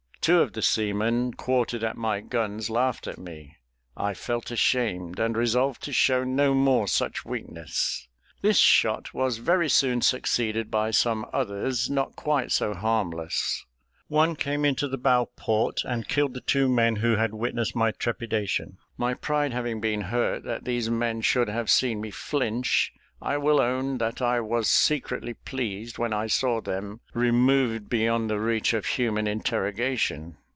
Two of the seamen quartered at my guns laughed at me. I felt ashamed, and resolved to show no more such weakness. This shot was very soon succeeded by some others not quite so harmless: one came into the bow port, and killed the two men who had witnessed my trepidation. My pride having been hurt that these men should have seen me flinch, I will own that I was secretly pleased when I saw them removed beyond the reach of human interrogation.